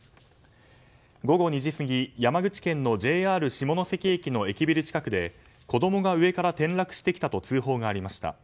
午後２時過ぎ、山口県のＪＲ下関駅の駅ビル近くで子供が上から転落してきたと通報がありました。